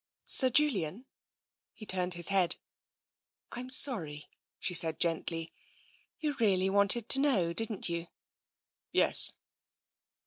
"Sir Julian?" He turned his head. " I'm sorry," she said gently. " You really wanted to know, didn't you?" " Yes."